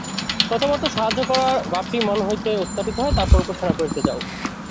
প্রথমত সাহায্য করার ভাবটি মন হইতে উৎপাটিত কর, তারপর উপাসনা করিতে যাও।